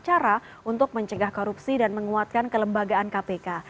cara untuk mencegah korupsi dan menguatkan kelembagaan kpk